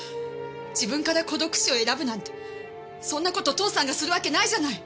自分から孤独死を選ぶなんてそんな事父さんがするわけないじゃない！